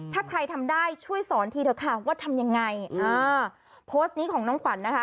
ถ้าใครทำได้ช่วยสอนทีเถอะค่ะว่าทำยังไงอ่าโพสต์นี้ของน้องขวัญนะคะ